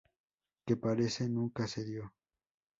Que parece nunca se dio.